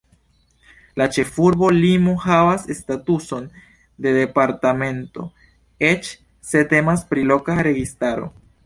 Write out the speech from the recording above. La ĉefurbo Limo havas statuson de departemento, eĉ se temas pri loka registaro.